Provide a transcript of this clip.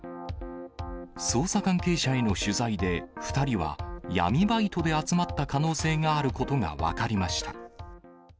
捜査関係者への取材で、２人は闇バイトで集まった可能性があることが分かりました。